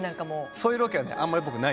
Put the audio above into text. そういうロケはねあんまり僕ないです。